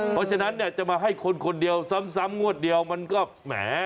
เพราะฉะนั้นเนี่ยจะมาให้คนคนเดียวซ้ำงวดเดียวมันก็แหม